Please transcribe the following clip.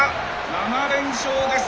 ７連勝です。